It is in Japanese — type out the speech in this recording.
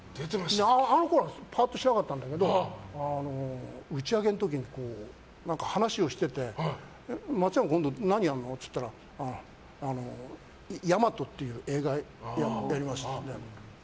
あのころはパッとしなかったんだけど打ち上げの時に話をしてて松山君今度何やるの？って言ったら「ヤマト」っていう映画やりましたって。